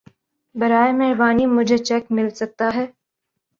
براہ مہربانی مجهے چیک مل سکتا ہے